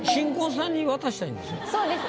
そうです。